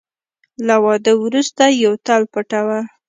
له واده وروسته یوه تل پټوه .